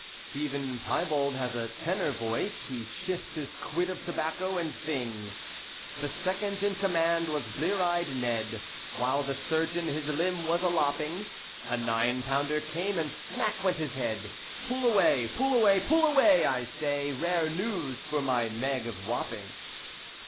Stephen Pibold has a tenor voice, He shifts his quid of tobacco and sings: "The second in command was blear eyed Ned: While the surgeon his limb was a lopping, A nine pounder came and smack went his head, Pull away, pull away, pull away! I say; Rare news for my Meg of Wapping!"